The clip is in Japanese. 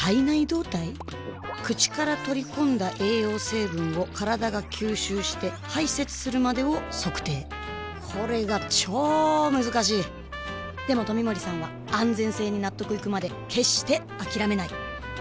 口から取り込んだ栄養成分を体が吸収して排泄するまでを測定これがチョー難しいでも冨森さんは安全性に納得いくまで決してあきらめない！